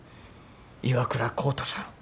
岩倉浩太さん